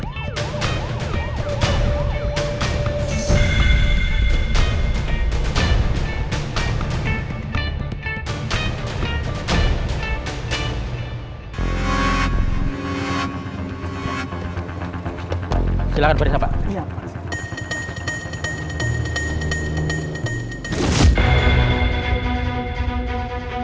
kondisi korban paradan